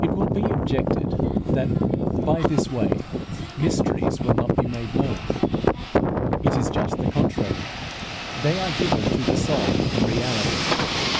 It will be objected that, by this way, mysteries will not be made known. It is just the contrary; they are given to the soul in reality.